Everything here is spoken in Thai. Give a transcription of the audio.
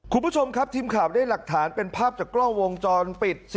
คุณผู้ชมครับทีมข่าวได้หลักฐานเป็นภาพจากกล้องวงจรปิด